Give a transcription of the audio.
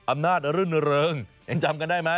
อำนาจรื่นเริงยังจำกันได้ไหม